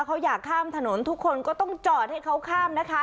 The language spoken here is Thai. เขาอยากข้ามถนนทุกคนก็ต้องจอดให้เขาข้ามนะคะ